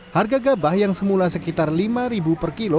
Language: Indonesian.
harga gabah yang semula sekitar rp lima per kilo